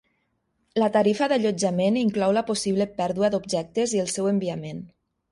La tarifa d'allotjament inclou la possible pèrdua d'objectes i el seu enviament.